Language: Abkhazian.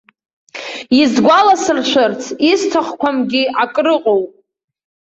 Исгәаласыршәарц исҭахқәамгьы акрыҟоуп.